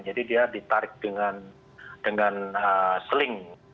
jadi dia ditarik dengan sling